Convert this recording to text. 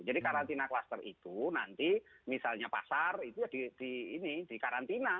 jadi karantina kluster itu nanti misalnya pasar itu ya di karantina